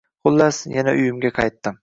Xullas, yana uyimga qaytdim